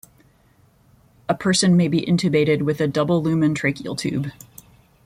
A person may be intubated with a double lumen tracheal tube.